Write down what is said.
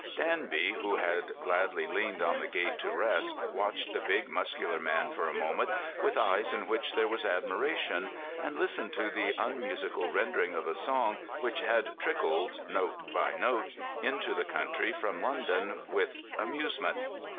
Danby, who had gladly leaned on the gate to rest, watched the big, muscular man for a moment, with eyes in which there was admiration, and listened to the unmusical rendering of a song which had trickled, note by note, into the country from London, with amusement.